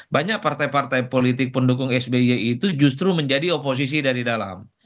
banyak partai partai politik pendukung sby itu justru menjadi oposisi dari dalam